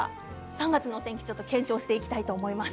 ３月の天気を検証していきたいと思います。